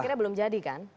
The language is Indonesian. akhirnya belum jadi kan